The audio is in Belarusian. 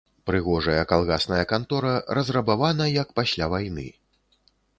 Прыгожая калгасная кантора разрабавана, як пасля вайны.